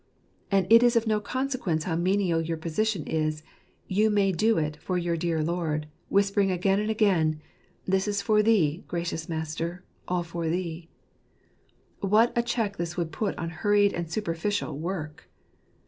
And it is of no consequence how menial your position is, you may do it for your dear Lord, whispering again and again, "This is for Thee, gracious Master, all for Thee." What a check this would put on hurried and superficial work